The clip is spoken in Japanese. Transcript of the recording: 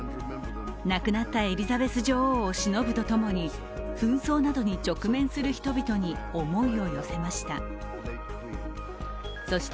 亡くなったエリザベス女王をしのぶとともに紛争などに直面する人々に思いを寄せました。